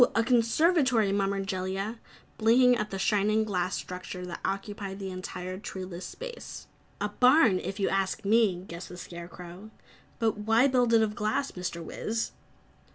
A conservatory!" murmured Jellia, blinking at the shining glass structure that occupied the entire treeless space. "A barn, if you ask me!" guessed the Scarecrow. "But why build it of glass, Mr. Wiz?"